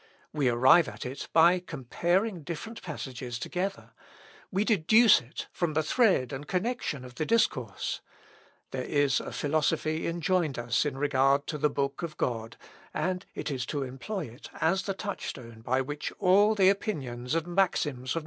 We arrive at it by comparing different passages together; we deduce it from the thread and connection of the discourse. There is a philosophy enjoined us in regard to the Book of God, and it is to employ it as the touch stone by which all the opinions and maxims of men must be tried."